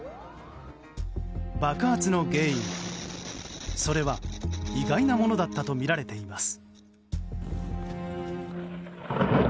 爆発の原因、それは意外なものだったとみられています。